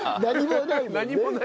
何もない。